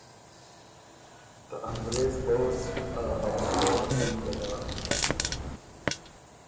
ته انګرېز پؤځ ا حوصلۀ وه ټینګه داک۔